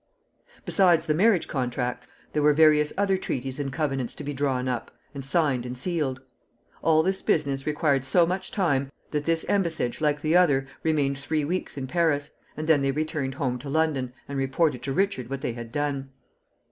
Besides the marriage contracts, there were various other treaties and covenants to be drawn up, and signed and sealed. All this business required so much time, that this embassage, like the other, remained three weeks in Paris, and then they returned home to London, and reported to Richard what they had done.